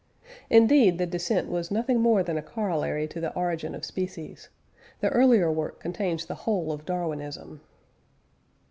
" Indeed the Descent was nothing more than a corollary to the Origin of Species. The earlier work contains the whole of Darwinism.